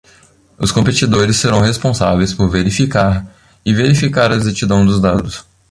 Os competidores serão responsáveis por verificar e verificar a exatidão dos dados.